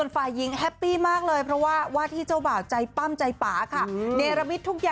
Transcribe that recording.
แผงเนี่ยเข้าร่วมงานนะพันกว่าคนเลยทีเดียวค่ะ